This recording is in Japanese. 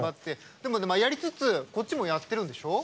でも、やりつつこっちもやってるんでしょ？